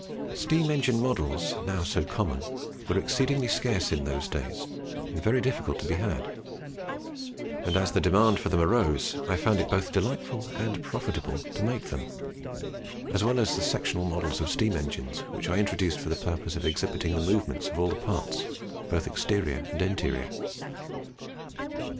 Steam engine models, now so common, were exceedingly scarce in those days, and very difficult to be had; and as the demand for them arose, I found it both delightful and profitable to make them; as well as sectional models of steam engines, which I introduced for the purpose of exhibiting the movements of all the parts, both exterior and interior.